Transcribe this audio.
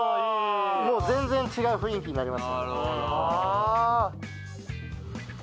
もう全然違う雰囲気になりますよね。